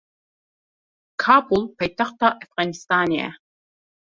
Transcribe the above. Kabûl paytexta Efxanistanê ye.